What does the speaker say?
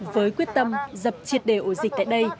với quyết tâm dập triệt đều dịch tại đây